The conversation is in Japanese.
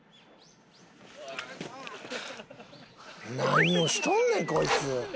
何をしとんねんこいつ。